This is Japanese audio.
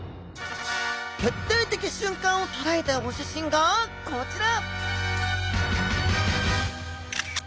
決定的瞬間を捉えたお写真がこちら！